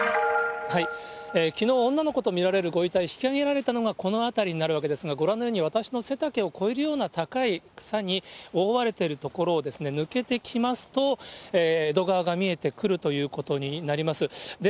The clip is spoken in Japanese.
きのう、女の子と見られるご遺体、引き揚げられたのがこの辺りになるわけですが、ご覧のように、私の背丈を越える高い草に覆われている所を抜けてきますと、江戸川が見えてくるということになります。